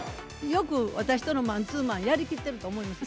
よく私とのマンツーマンやりきってると思います。